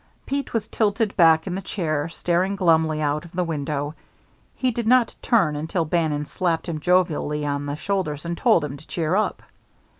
Pete was tilted back in the chair staring glumly out of the window. He did not turn until Bannon slapped him jovially on the shoulders and told him to cheer up.